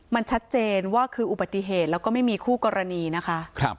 มันชัดเจนว่าคืออุบัติเหตุแล้วก็ไม่มีคู่กรณีนะคะ